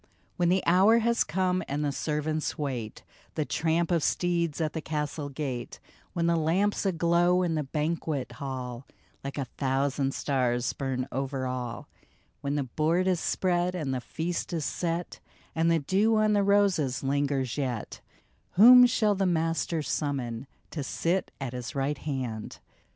When the hour has come and the servants wait The tramp of steeds at the castle gate, When the lamps aglow in the banquet hall Like a thousand stars burn over all, When the board is spread and the feast is set, And the dew on the roses lingers yet, Whom shall the Master summon To sit at his right hand